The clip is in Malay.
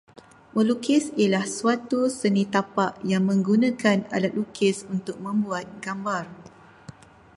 Melukis ialah suatu seni tampak yang menggunakan alat lukis untuk membuat gambar